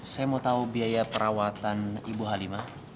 saya mau tahu biaya perawatan ibu halimah